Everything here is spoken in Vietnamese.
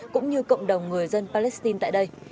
cũng như cộng đồng người dân palestine tại đây